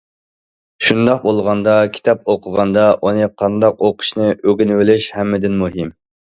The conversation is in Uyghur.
شۇنداق بولغاندا كىتاب ئوقۇغاندا، ئۇنى قانداق ئوقۇشنى ئۆگىنىۋېلىش ھەممىدىن مۇھىم.